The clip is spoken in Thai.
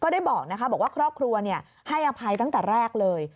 ได้บอกนะคะบอกว่าครอบครัวให้อภัยตั้งแต่แรกเลย